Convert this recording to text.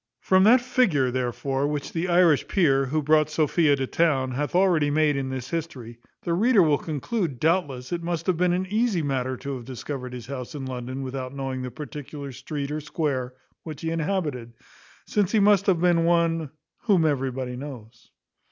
From that figure, therefore, which the Irish peer, who brought Sophia to town, hath already made in this history, the reader will conclude, doubtless, it must have been an easy matter to have discovered his house in London without knowing the particular street or square which he inhabited, since he must have been one whom everybody knows.